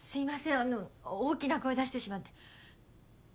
あのう大きな声出してしまって。